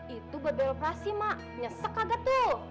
itu beberapa operasi mak nyesek agak tuh